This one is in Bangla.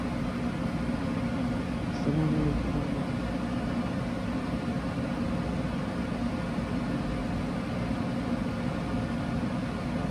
ফরিদকোট জেলা পূর্ববর্তী ফিরোজপুর বিভাগের অংশ ছিল।